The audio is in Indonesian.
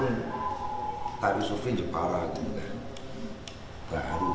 dan tari suvinin jebara kemudian ke aduh